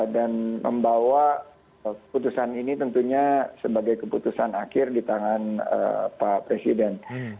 dan membawa keputusan ini tentunya sebagai keputusan akhir di tangan pak presiden